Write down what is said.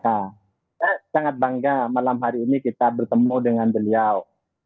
saya sangat bangga malam hari ini kita bertemu dengan beliau